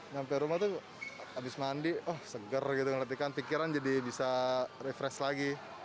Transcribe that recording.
sampai rumah habis mandi oh seger pikiran jadi bisa refresh lagi